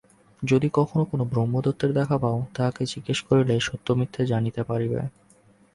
যদি কখনো কোনো ব্রহ্মদৈত্যের দেখা পাও, তাহাকে জিজ্ঞাসা করিলেই সত্যমিথ্যা জানিতে পারিবে।